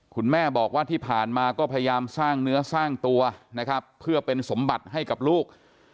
คุณแม่บอกว่าที่ผ่านมาก็พยายามสร้างเนื้อสร้างตัวนะครับเพื่อเป็นสมบัติให้กับลูก